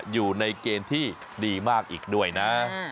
อยู่ในเกณฑ์ที่ดีมากอีกด้วยนะ